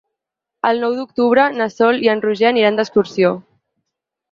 El nou d'octubre na Sol i en Roger aniran d'excursió.